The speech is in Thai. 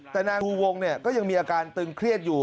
แต่นางชูวงเนี่ยก็ยังมีอาการตึงเครียดอยู่